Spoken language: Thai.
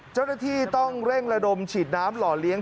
เจ้าหน้าที่ต้องเร่งระดมฉีดน้ำหล่อเลี้ยง